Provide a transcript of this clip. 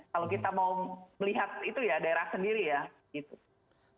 kalau kita mau melihat itu ya daerah sendiri ya gitu